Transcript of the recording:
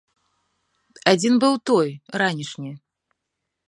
Адзін быў той, ранішні.